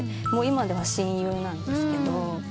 もう今では親友なんですけど。